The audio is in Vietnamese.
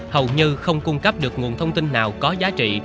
hầu như không cung cấp được nguồn thông tin nào có giá trị